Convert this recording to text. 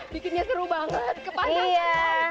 bikinnya seru banget kepala